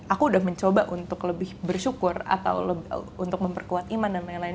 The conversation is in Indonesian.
aku udah mencoba untuk lebih bersyukur atau untuk memperkuat iman dan lain lain